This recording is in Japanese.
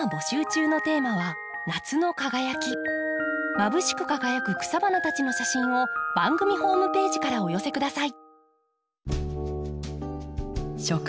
まぶしく輝く草花たちの写真を番組ホームページからお寄せ下さい。